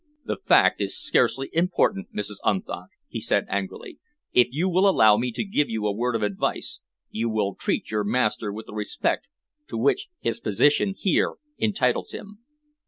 "The fact is scarcely important, Mrs. Unthank," he said angrily. "If you will allow me to give you a word of advice, you will treat your master with the respect to which his position here entitles him."